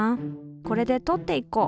これでとっていこう。